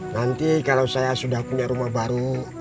nanti kalau saya sudah punya rumah baru